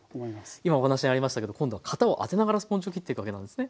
今お話にありましたけど今度は型を当てながらスポンジを切っていくわけなんですね。